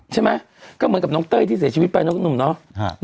ใช่ไหมก็เหมือนกับน้องเต้ยที่เสียชีวิตไปนะคุณหนุ่มเนาะ